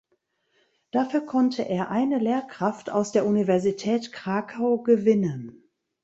Dafür konnte er eine Lehrkraft aus der Universität Krakau gewinnen.